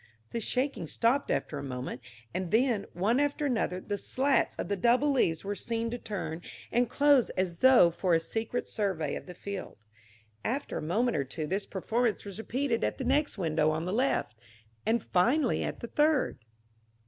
The shaking stopped after a moment, and then, one after another, the slats of the double leaves were seen to turn and close as though for a secret survey of the field. After a moment or two this performance was repeated at the next window on the left, and finally at a third.